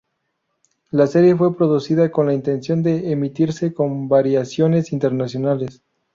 La serie fue producida con la intención de emitirse con variaciones internacionales.